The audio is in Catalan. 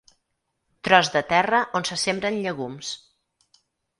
Tros de terra on se sembren llegums.